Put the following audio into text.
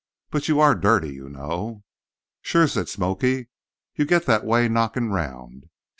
"But you are dirty, you know." "Sure," said "Smoky." "Yer get that way knockin' around.